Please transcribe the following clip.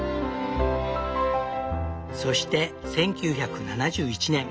そして１９７１年。